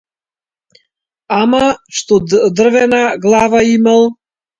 Ама што дрвена глава имал.